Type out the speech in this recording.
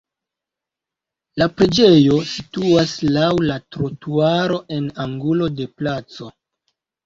La preĝejo situas laŭ la trotuaro en angulo de placo.